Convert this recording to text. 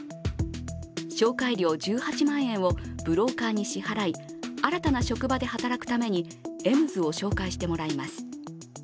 紹介料１８万円をブローカーに支払い、新たな職場で働くためにエムズを紹介してもらいます。